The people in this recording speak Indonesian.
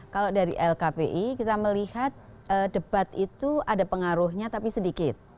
kalau dari lkpi kita melihat debat itu ada pengaruhnya tapi sedikit